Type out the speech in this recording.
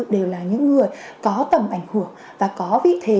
đều là những người có tầm ảnh hưởng và có vị thế